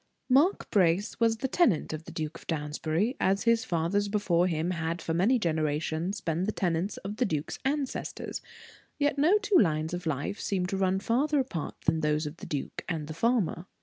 Mark Brace was the tenant of the Duke of Downsbury, as his fathers before him had for many generations been the tenants of the duke's ancestors; yet no two lines of life seemed to run farther apart than those of the duke and the farmer.